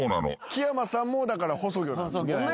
木山さんもだから細魚なんですもんね